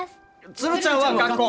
鶴ちゃんは学校！